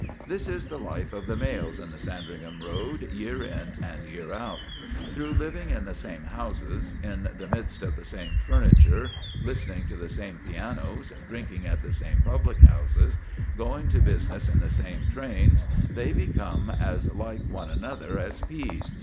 This is the life of the males in the Sandringham Road year in and year out. Through living in the same houses, in the midst of the same furniture, listening to the same pianos, drinking at the same public houses, going to business in the same trains, they become as like one another as peas.